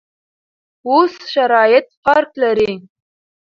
اوس شرایط فرق لري.